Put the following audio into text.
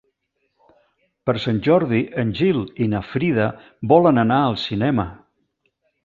Per Sant Jordi en Gil i na Frida volen anar al cinema.